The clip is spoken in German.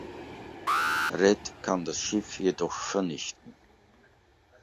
Red kann das Schiff jedoch vernichten.